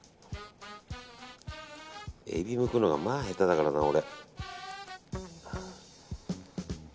エビむくのがまあ下手だからな、俺。